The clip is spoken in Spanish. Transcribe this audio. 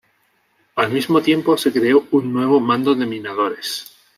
Al mismo tiempo, se creó un nuevo "Mando de Minadores".